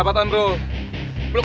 jalan yuk lo